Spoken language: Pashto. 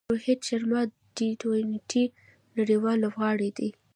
روهیت شرما د ټي ټوئنټي نړۍوال لوبغاړی دئ.